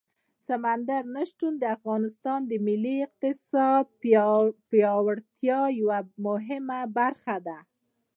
سمندر نه شتون د افغانستان د ملي اقتصاد د پیاوړتیا یوه مهمه برخه ده.